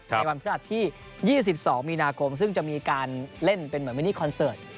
ในวันพฤหัสที่๒๒มีนาคมซึ่งจะมีการเล่นเป็นเหมือนมินิคอนเสิร์ต